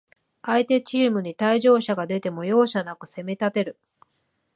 相手チームに退場者が出ても、容赦なく攻めたてる